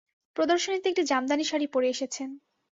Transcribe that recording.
প্রদর্শনীতে একটি জামদানি শাড়ি পরে এসেছেন।